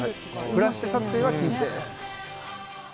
フラッシュ撮影は禁止です。